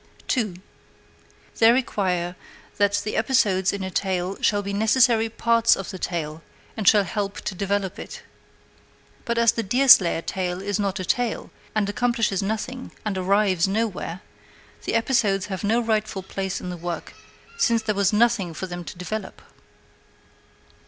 2. They require that the episodes of a tale shall be necessary parts of the tale, and shall help to develop it. But as the Deerslayer tale is not a tale, and accomplishes nothing and arrives nowhere, the episodes have no rightful place in the work, since there was nothing for them to develop.